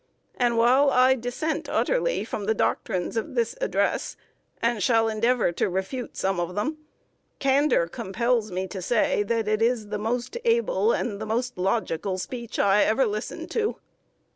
And while I dissent utterly from the doctrines of this address, and shall endeavor to refute some of them, candor compels me to say that it is the most able and the most logical speech I ever listened to."